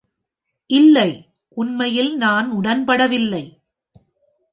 இல்லை, உண்மையில் நான் உடன்படவில்லை